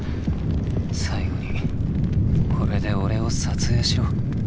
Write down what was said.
最後にこれで俺を撮影しろ。